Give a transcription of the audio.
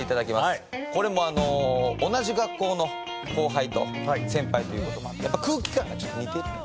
これも同じ学校の後輩と先輩という事もあってやっぱ空気感がちょっと似てる。